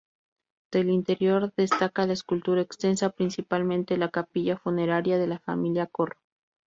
Del interior destaca la escultura exenta, principalmente la capilla funeraria de la familia Corro.